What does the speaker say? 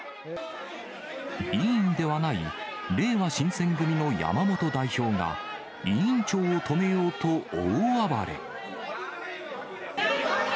委員ではないれいわ新選組の山本代表が、委員長を止めようと大暴れ。